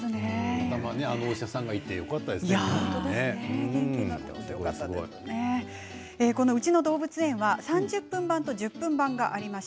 あのお医者さんがいて「ウチのどうぶつえん」は３０分版と１０分版があります。